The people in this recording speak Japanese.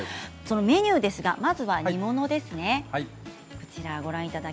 メニューですがまず煮物ですね。